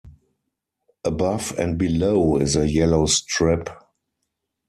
Above and below is a yellow strip.